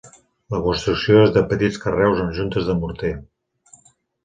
La construcció és de petits carreus amb juntes de morter.